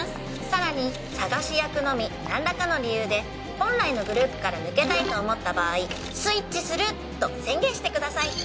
「さらに探し役のみなんらかの理由で本来のグループから抜けたいと思った場合“スイッチする！”と宣言してください」